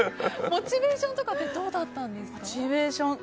モチベーションとかってどうだったんですか？